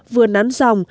vừa nắn dòng